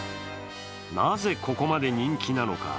なぜここまで人気なのか。